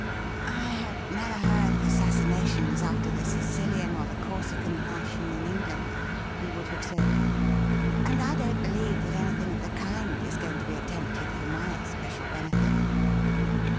' I have never heard of assassinations after the Sicilian or the Corsican fashion in England,' he would have said ;' and I don't believe that anything of the kind is going to be attempted for my especial benefit.'